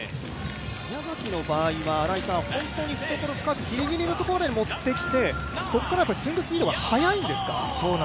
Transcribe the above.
宮崎の場合は、本当に懐深く、ギリギリのところに持ってきてそこからスイングスピードが速いんですか？